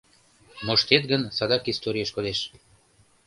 Моштет гын, садак историеш кодеш.